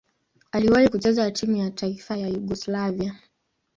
Aliwahi kucheza timu ya taifa ya Yugoslavia.